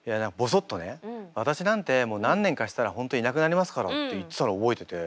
「私なんて何年かしたら本当いなくなりますから」って言ってたの覚えてて。